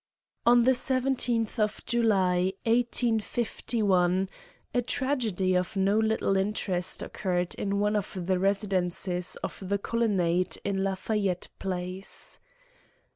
On the 17th of July, 1851, a tragedy of no little interest occurred in one of the residences of the Colonnade in Lafayette Place.